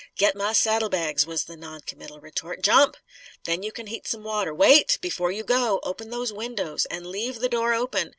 "Get my saddlebags!" was the non committal retort. "Jump! Then you can heat some water. Wait! Before you go, open those windows. And leave the door open.